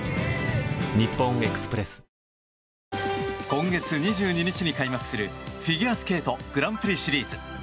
今月２２日に開幕するフィギュアスケートグランプリシリーズ。